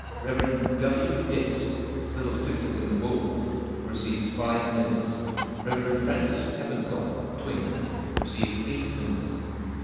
Rev. W. Dix (Little Clickton in the Wold), receives five minutes. Rev. Francis Heppenstall (Twing), receives eight minutes.